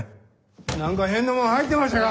何か変なもん入ってましたか？